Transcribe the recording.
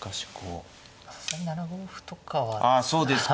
さすがに７五歩とかは突けないですか。